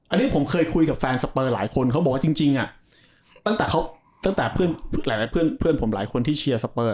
อันนี้ผมเคยคุยกับแฟนสเปอร์หลายคนเขาบอกว่าจริงตั้งแต่เพื่อนผมหลายคนที่เชียร์สเปอร์